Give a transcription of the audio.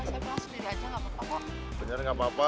saya belas diri aja gak apa apa